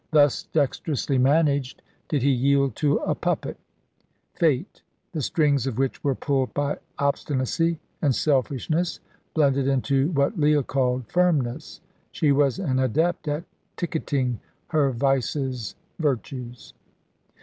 Thus, dexterously managed, did he yield to a puppet, Fate, the strings of which were pulled by obstinacy and selfishness, blended into what Leah called firmness. She was an adept at ticketing her vices virtues.